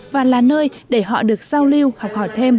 và là nơi để họ được giao lưu học hỏi thêm